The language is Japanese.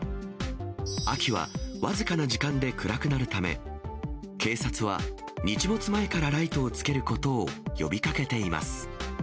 秋は僅かな時間で暗くなるため、警察は、日没前からライトをつけることを呼びかけています。